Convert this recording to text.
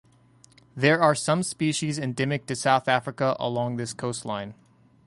There are some species endemic to South Africa along this coastline.